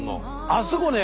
あそこね